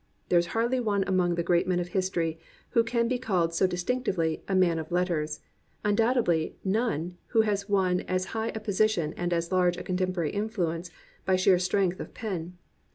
There is hardly one among the great men of history who can be called so distinctively "a man of letters," undoubtedly none who has won as high a position and as large a contemporary influence by sheer strength of pen.